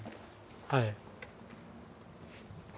はい。